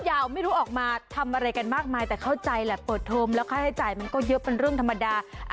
ยาวไม่รู้ออกมาทำอะไรกันมากมายแต่เข้าใจแหละเปิดเทอมแล้วค่าใช้จ่ายมันก็เยอะเป็นเรื่องธรรมดา